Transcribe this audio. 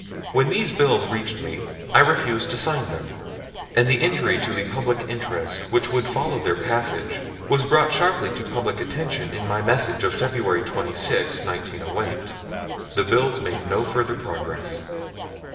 When these bills reached me I refused to sign them; and the injury to the public interest which would follow their passage was brought sharply to public attention in my message of February 26, 1908. The bills made no further progress.